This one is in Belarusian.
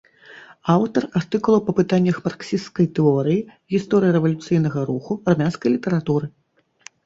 Аўтар артыкулаў па пытаннях марксісцкай тэорыі, гісторыі рэвалюцыйнага руху, армянскай літаратуры.